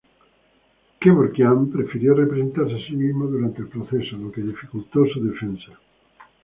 Kevorkian prefirió representarse a sí mismo durante el proceso, lo que dificultó su defensa.